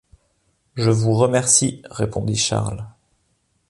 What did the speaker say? Je vous remercie, répondit Charles.